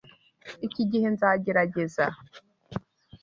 Iki gihe nzagerageza.